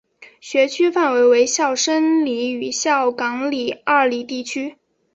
学区范围为孝深里与孝冈里二里地区。